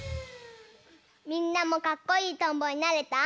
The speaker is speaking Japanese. みんなもかっこいいとんぼになれた？